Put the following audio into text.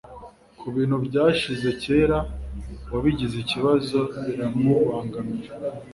ku bintu byashize kera wabigize ikibazo biramubangamira